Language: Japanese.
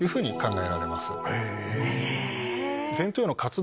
え！